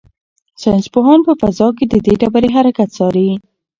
ساینس پوهان په فضا کې د دې ډبرې حرکت څاري.